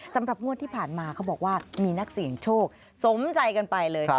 สำหรับงวดที่ผ่านมาเขาบอกว่ามีนักศึกษ์โชคสมใจกันไปเลย